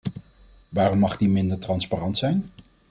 Waarom mag die minder transparant zijn?